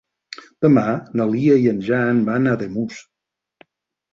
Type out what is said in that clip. Demà na Lia i en Jan van a Ademús.